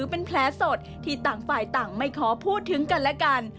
เป็นแผลสดที่ต่างฝ่ายต่างไม่ขอพูดถึงกันและกัน